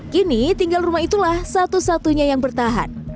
kini tinggal rumah itulah satu satunya yang bertahan